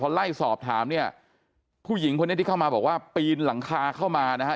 ไล่สอบถามเนี่ยผู้หญิงคนนี้ที่เข้ามาบอกว่าปีนหลังคาเข้ามานะฮะ